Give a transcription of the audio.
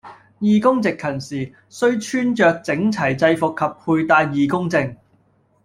義工值勤時，須穿著整齊制服及佩戴義工證